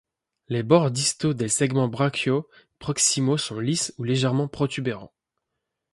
Les bords distaux des segments brachiaux proximaux sont lisses ou légèrement protubérants.